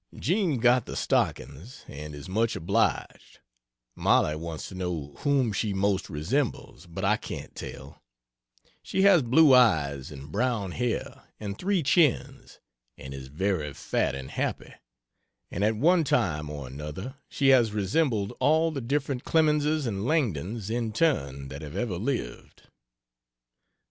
Jean got the stockings and is much obliged; Mollie wants to know whom she most resembles, but I can't tell; she has blue eyes and brown hair, and three chins, and is very fat and happy; and at one time or another she has resembled all the different Clemenses and Langdons, in turn, that have ever lived.